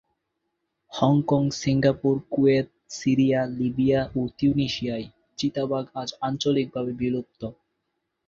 Hong Kong, Singapore, Kuwait, Syria, Libya ও তিউনিসিয়ায় চিতাবাঘ আজ আঞ্চলিকভাবে বিলুপ্ত।